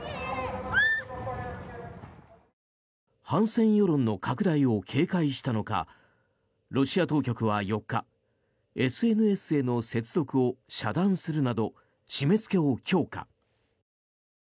反戦世論の拡大を警戒したのかロシア当局は４日ＳＮＳへの接続を遮断するなど締めつけを強化。